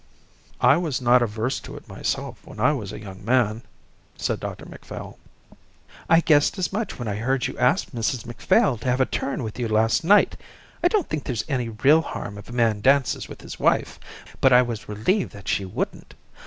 "I was not averse to it myself when I was a young man," said Dr Macphail. "I guessed as much when I heard you ask Mrs Macphail to have a turn with you last night. I don't think there's any real harm if a man dances with his wife, but I was relieved that she wouldn't.